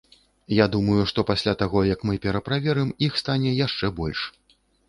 Я думаю, што пасля таго як мы пераправерым, іх стане яшчэ больш.